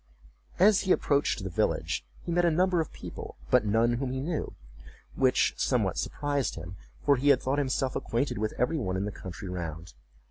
As he approached the village he met a number of people, but none whom he knew, which somewhat surprised him, for he had thought himself acquainted with every one in the country round.